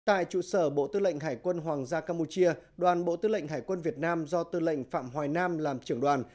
tại trụ sở bộ tư lệnh hải quân hoàng gia campuchia đoàn bộ tư lệnh hải quân việt nam do tư lệnh phạm hoài nam làm trưởng đoàn